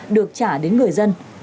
được trả đến người dân